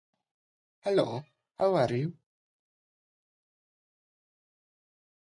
How often have we agreed on friendship!